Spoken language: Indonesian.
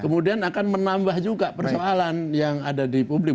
kemudian akan menambah juga persoalan yang ada di publik